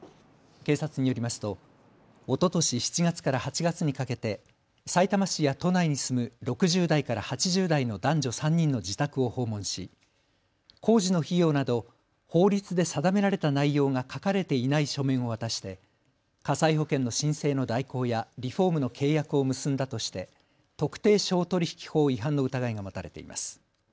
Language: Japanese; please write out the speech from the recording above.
警察によりますと、おととし７月から８月にかけてさいたま市や都内に住む６０代から８０代の男女３人の自宅を訪問し工事の費用など法律で定められた内容が書かれていない書面を渡して火災保険の申請の代行やリフォームの契約を結んだとして特定商取引法違反の疑いが持たれています。